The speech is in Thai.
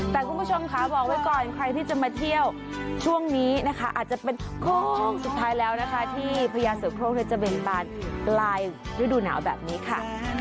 แต่คุณผู้ชมค่ะบอกไว้ก่อนใครที่จะมาเที่ยวช่วงนี้นะคะอาจจะเป็นโค้งสุดท้ายแล้วนะคะที่พญาเสือโครงจะเบนบานปลายฤดูหนาวแบบนี้ค่ะ